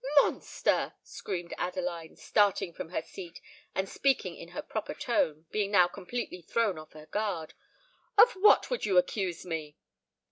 "Monster!" screamed Adeline, starting from her seat, and speaking in her proper tone, being now completely thrown off her guard: "of what would you accuse me?"